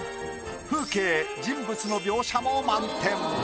風景人物の描写も満点。